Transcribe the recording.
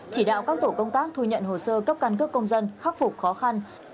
chỉ đạo các tổ công tác thu nhận hồ sơ cấp căn cước công dân khắc phục khó khăn